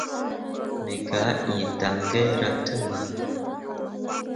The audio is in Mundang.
Me gah ĩĩ daŋgaira te nah.